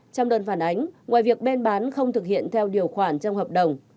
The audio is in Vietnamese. trong đơn phản ánh ngoài việc bên bán không thực hiện theo điều khoản trong hợp đồng